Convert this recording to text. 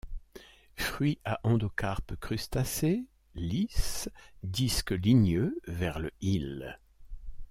Fruits à endocarpe crustacé, lisse, disque ligneux vers le hile.